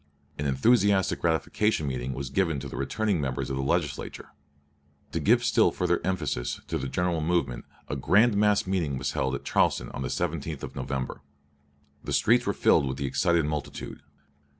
An enthusiastic ratification meeting was given to the returning members of the Legislature. To give still further emphasis to the general movement a grand mass meeting was held at Charleston on the 17th of November. The streets were filled with the excited multitude.